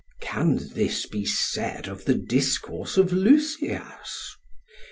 SOCRATES: Can this be said of the discourse of Lysias?